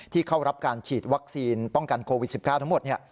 เข้ารับการฉีดวัคซีนป้องกันโควิด๑๙ทั้งหมด